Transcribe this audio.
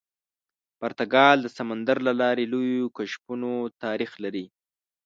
پرتګال د سمندر له لارې لویو کشفونو تاریخ لري.